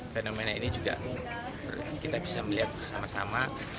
fenomena ini juga kita bisa melihat bersama sama